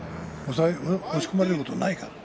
押し込まれることはないから。